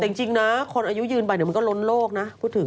แต่จริงนะคนอายุยืนไปเดี๋ยวมันก็ล้นโลกนะพูดถึง